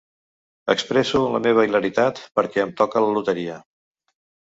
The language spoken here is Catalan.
Expresso la meva hilaritat perquè em toca la loteria.